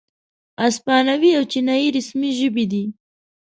اسپانوي او چینایي رسمي ژبې دي.